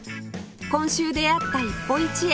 今週出会った一歩一会